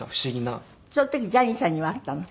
その時ジャニーさんには会ったの？